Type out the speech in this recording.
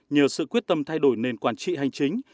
nhờ sự quyết tâm thay đổi nền quản trị hành chính